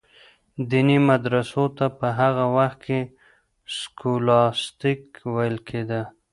دیني مدرسو ته په هغه وخت کي سکولاستیک ویل کیده.